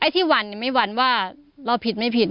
ที่หวานไม่หวานว่าเราผิดหรือไม่ผิด